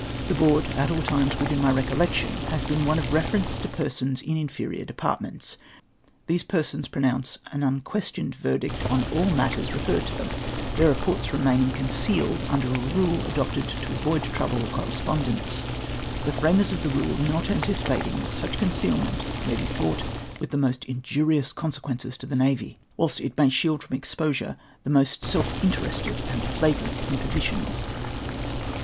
The Board, at all times Avithin my recollection, has been one of reference to persons in inferior depart ments. These persons pronounce an unquestioned verdict on all matters referred to them ; their reports remaining concealed under a rule adopted to avoid trouble or correspondence, the framers of the rule not anticipating that such concealment may Ije fraught with the most injurious consequences to the navy, Avhilst VOL. IL Q 226 WHICH EXCLUDES UNITY OF PURPOSE. it may shield from exposure tlie most self interested and flagrant impositions.